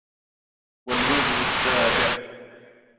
وَالْوَجْهُ السَّابِعُ